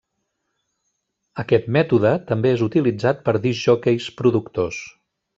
Aquest mètode també és utilitzat per discjòqueis productors.